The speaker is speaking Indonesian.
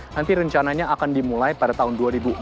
nanti rencananya akan dimulai pada tahun dua ribu empat belas